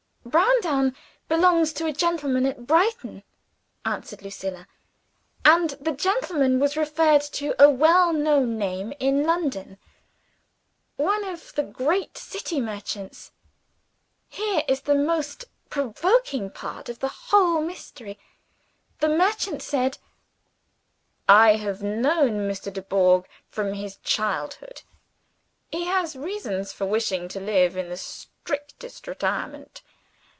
"Browndown belongs to a gentleman at Brighton," answered Lucilla. "And the gentleman was referred to a well known name in London one of the great City merchants. Here is the most provoking part of the whole mystery. The merchant said, 'I have known Mr. Dubourg from his childhood. He has reasons for wishing to live in the strictest retirement.